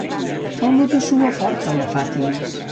Fa olor de suor forta la Fátima.